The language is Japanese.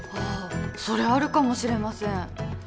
あそれあるかもしれません